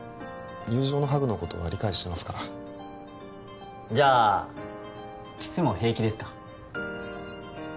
友情のハグのことは理解してますからじゃあキスも平気ですか？